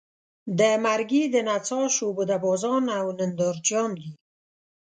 د مرګي د نڅا شعبده بازان او نندارچیان دي.